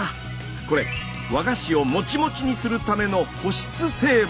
これ和菓子をもちもちにするための保湿成分。